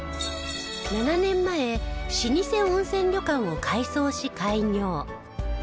７年前老舗温泉旅館を改装し開業。